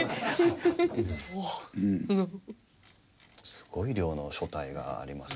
すごい量の書体がありますからね。